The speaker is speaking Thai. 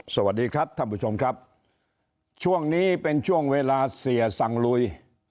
สวัสดีครับท่านผู้ชมครับช่วงนี้เป็นช่วงเวลาเสียสังลุย